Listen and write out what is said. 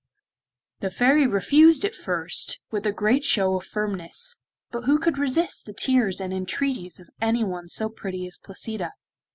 The Fairy refused at first with a great show of firmness, but who could resist the tears and entreaties of anyone so pretty as Placida?